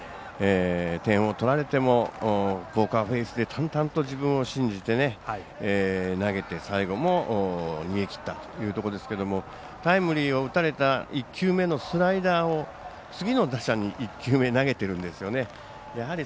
点を取られてもポーカーフェースで淡々と自分を信じて投げて最後も逃げきったというところですけれどもタイムリーを打たれた１球目のスライダーを次の打者に１球目投げているんですよね。